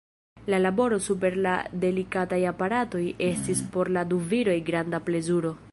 La laboro super la delikataj aparatoj estis por la du viroj granda plezuro.